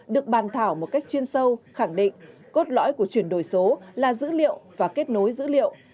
được bàn thảo một cách chuyên sâu khẳng định cốt lõi của chuyển đổi số là dữ liệu và kết nối dữ liệu